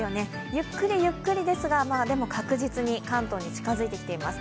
ゆっくりゆっくりですがでも確実に関東に近づいてきています。